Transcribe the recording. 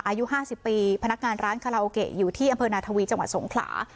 อายุ๕๐ปีพนักงานร้านคาราโอเกะอยู่ที่อำเภอนาทวีจังหวัดสงขลา